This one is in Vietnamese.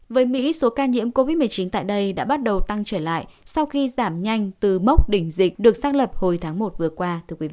với mỹ số ca nhiễm covid một mươi chín tại đây đã bắt đầu tăng trở lại sau khi giảm nhanh từ mốc đỉnh dịch được xác lập hồi tháng một vừa qua